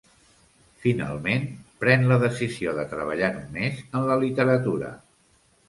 Finalment, pren la decisió de treballar només en la literatura.